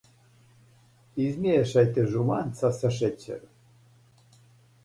Измијешајте жуманца са шећером.